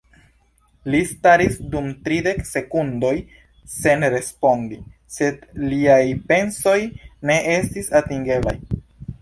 Li staris dum tridek sekundoj sen respondi, sed liaj pensoj ne estis atingeblaj.